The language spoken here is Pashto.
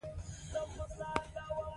زه پلان جوړوم چې ژمنه پوره کړم.